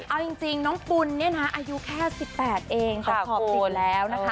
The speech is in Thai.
เอาจริงน้องปุ่นเนี่ยนะอายุแค่๑๘เองแต่ขอบติดแล้วนะคะ